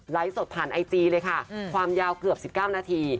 สดผ่านไอจีเลยค่ะความยาวเกือบ๑๙นาที